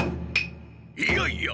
いやいや！